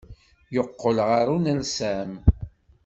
Yeqqel ɣer unersam.